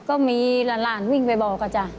ก็มีหลานวิ่งไปบอกอะจ้ะ